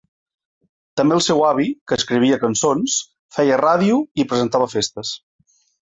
També el seu avi, que escrivia cançons, feia ràdio i presentava festes.